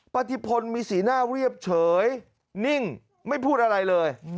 ปฏิพลมีสีหน้าเรียบเฉยนิ่งไม่พูดอะไรเลย